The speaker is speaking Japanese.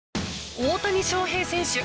大谷翔平選手。